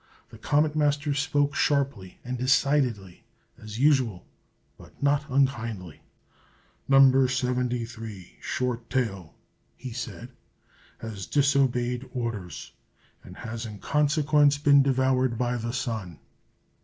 The Comet Master spoke sharply and decidedly, as usual, but not unkindly. "No. 73, Short Tail," he said, "has disobeyed orders, and has in consequence been devoured by the Sun."